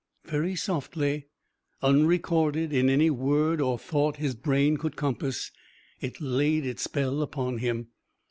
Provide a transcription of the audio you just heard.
Very softly, unrecorded in any word or thought his brain could compass, it laid its spell upon him.